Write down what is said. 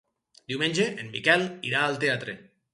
Diumenge en Miquel irà al teatre.